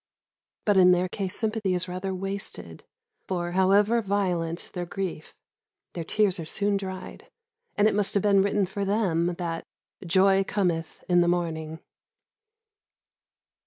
But in their case sympathy is rather wasted, for, however violent their grief, their tears are soon dried, and it must have been written for them that "joy cometh with the morning."